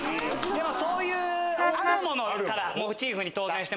でもそういうあるものからモチーフに。